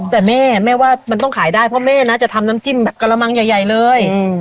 แต่แม่แม่ว่ามันต้องขายได้เพราะแม่นะจะทำน้ำจิ้มแบบกระมังใหญ่เลย